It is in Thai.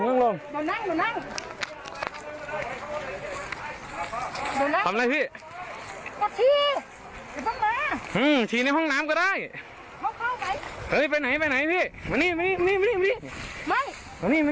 นั่งลงนั่งลงครับนั่งลง